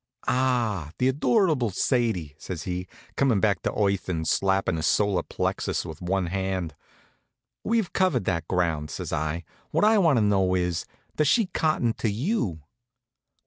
"Ah, the adorable Sadie!" says he, comin' back to earth and slappin' his solar plexus with one hand. "We've covered that ground," says I. "What I want to know is, does she cotton to you?"